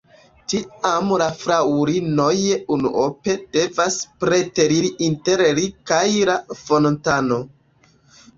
Tiam la fraŭlinoj unuope devas preteriri inter li kaj la fontano.